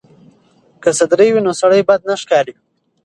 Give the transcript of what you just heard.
که واسکټ وي نو سړی نه بد ښکاریږي.